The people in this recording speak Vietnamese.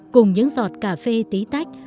cùng những giọt cà phê tí tách